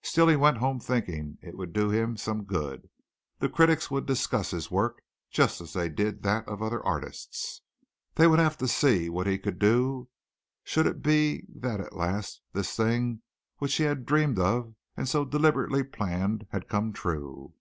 Still he went home thinking it would do him some good. The critics would discuss his work just as they did that of other artists. They would have to see what he could do should it be that at last this thing which he had dreamed of and so deliberately planned had come true.